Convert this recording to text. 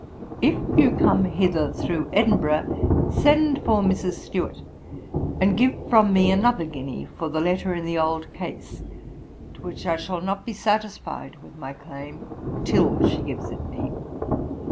'If you come hither through Edinburgh, send for Mrs. Stewart, and give from me another guinea for the letter in the old case, to which I shall not be satisfied with my claim, till she gives it me.